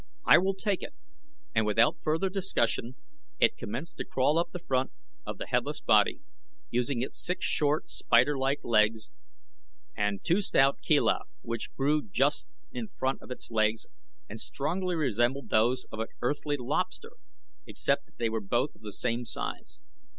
I will take it," and without further discussion it commenced to crawl up the front of the headless body, using its six short, spiderlike legs and two stout chelae which grew just in front of its legs and strongly resembled those of an Earthly lobster, except that they were both of the same size.